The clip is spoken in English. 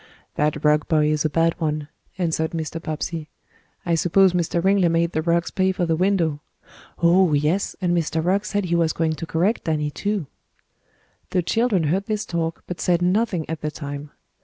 "That Rugg boy is a bad one," answered Mr. Bobbsey. "I suppose Mr. Ringley made the Ruggs pay for the window." "Oh, yes, and Mr. Rugg said he was going to correct Danny, too." The children heard this talk, but said nothing at the time.